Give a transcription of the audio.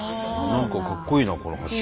何かかっこいいなこのハチ。